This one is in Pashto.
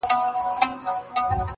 • د رنګ او ښایست سیمه ده -